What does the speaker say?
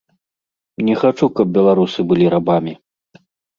Не хачу, каб беларусы былі рабамі.